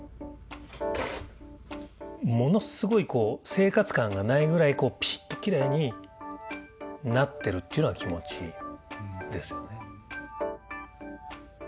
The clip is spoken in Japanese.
ものすごい生活感がないぐらいこうピシッときれいになってるっていうのは気持ちいいですよね。